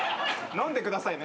飲んでくださいね。